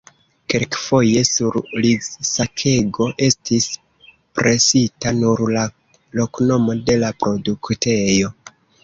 Kelkfoje sur rizsakego estis presita nur la loknomo de la produktejo.